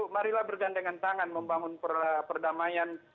marilah bergandengan tangan membangun perdamaian